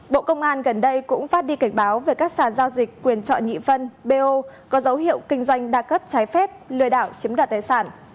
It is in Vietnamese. bộ công an gần đây cũng phát đi cảnh báo về các sản giao dịch quyền trọi nhị phân bo có dấu hiệu kinh doanh đa cấp trái phép lừa đảo chiếm đoạt tài sản